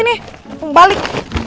udah sini balik